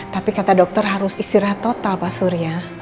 tapi kata dokter harus istirahat total pak surya